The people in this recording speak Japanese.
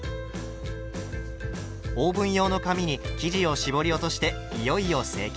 オーブン用の紙に生地を絞り落としていよいよ成形。